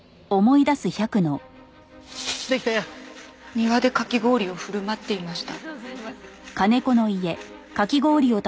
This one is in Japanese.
庭でかき氷を振る舞っていました。